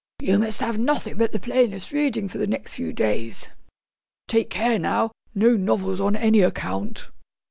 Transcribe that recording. You must have nothing but the plainest reading for the next few days. Take care now! No novels on any account!'